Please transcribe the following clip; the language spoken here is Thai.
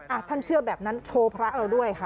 ท่านเชื่อแบบนั้นโชว์พระเราด้วยค่ะ